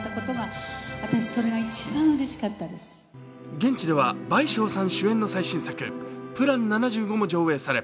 現地では倍賞さん主演の最新作「ＰＬＡＮ７５」も上演され